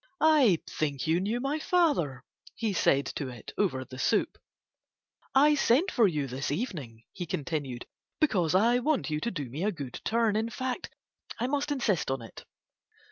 "I think you knew my father," he said to it over the soup. "I sent for you this evening," he continued, "because I want you to do me a good turn; in fact I must insist on it."